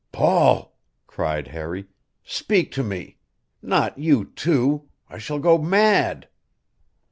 "Paul!" cried Harry. "Speak to me! Not you, too I shall go mad!"